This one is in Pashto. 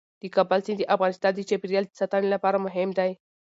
د کابل سیند د افغانستان د چاپیریال ساتنې لپاره مهم دی.